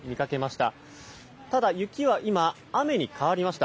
ただ、雪は今雨に変わりました。